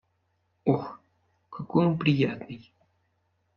Ох, какой он приятный